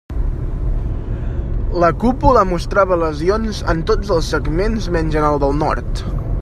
La cúpula mostrava lesions en tots els segments menys en el del nord.